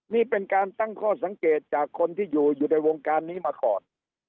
นี่เป็นการตั้งข้อสังเกตจากคนที่อยู่ในวงการนี้มาก่อน